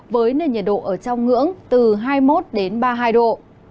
với nền nhiệt độ ở trong ngưỡng từ hai mươi một đến ba mươi hai độ